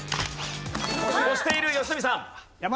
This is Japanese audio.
押している良純さん。